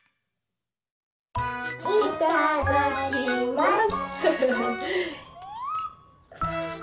いただきます。